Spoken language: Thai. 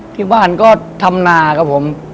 ที่บ้านก็ทำนาครับผม